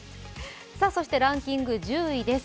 そしてランキング１０位です。